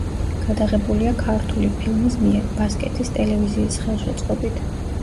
გადაღებულია „ქართული ფილმის“ მიერ, ბასკეთის ტელევიზიის ხელშეწყობით.